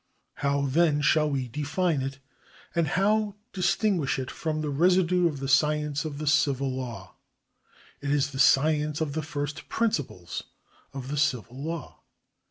How, then, shall we define it, and how distinguish it from the residue of the science of the civil law ? It is the science of the first principles of the civil law.